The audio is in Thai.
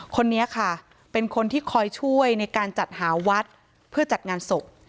คนนี้ค่ะเป็นคนที่คอยช่วยในการจัดหาวัดเพื่อจัดงานศพ